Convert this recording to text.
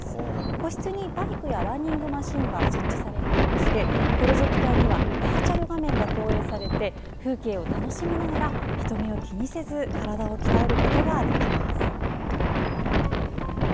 個室にバイクやランニングマシンが設置されていましてプロジェクターにはバーチャル画面が投影されて風景を楽しみながら人目を気にせず体を鍛えることができます。